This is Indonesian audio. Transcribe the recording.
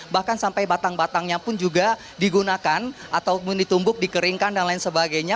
bahkan sampai batang batangnya pun juga digunakan ataupun ditumbuk dikeringkan dan lain sebagainya